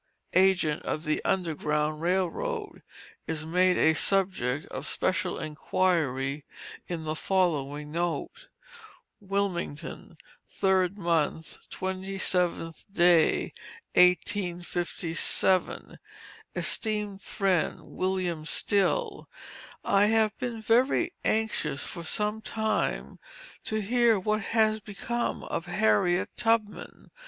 (agent of the Underground Rail Road), is made a subject of special inquiry in the following note: WILMINGTON, 3d mo., 27th, 1857. ESTEEMED FRIEND, WILLIAM STILL: I have been very anxious for some time past, to hear what has become of Harriet Tubman.